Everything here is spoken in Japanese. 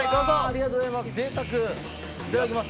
ありがとうございます。